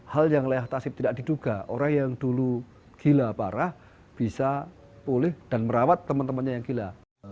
hal yang leah tasib tidak diduga orang yang dulu gila parah bisa pulih dan merawat teman temannya yang gila